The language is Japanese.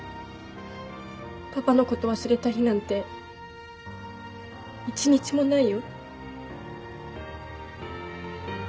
パパのこと忘れた日なんて一日もないよ。